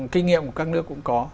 kinh nghiệm của các nước cũng có